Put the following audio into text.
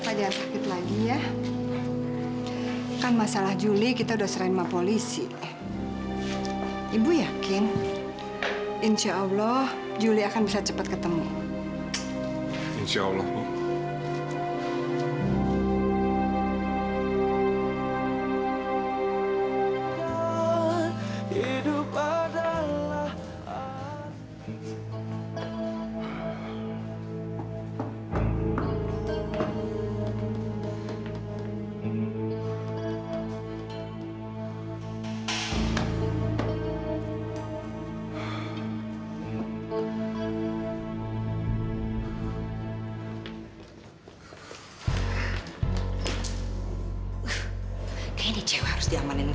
bapak gak bakal bisa hidup tenang tinggal di ciamis